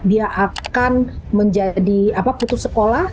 dia akan menjadi putus sekolah